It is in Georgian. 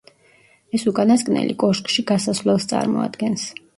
ეს უკანასკნელი კოშკში გასასვლელს წარმოადგენს.